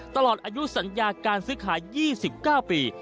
ตลอดอายุสัญญาการซื้อขาย๒๙ปี